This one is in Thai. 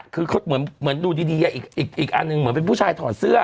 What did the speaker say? คือเขาเหมือนดูดีอีกอันหนึ่งเหมือนเป็นผู้ชายถอดเสื้อ